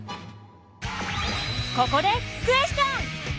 ここでクエスチョン！